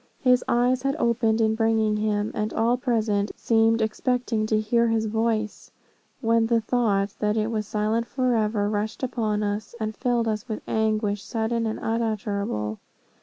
His eyes had opened in bringing him, and all present seemed expecting to hear his voice; when the thought, that it was silent forever, rushed upon us, and filled us with anguish sudden and unutterable.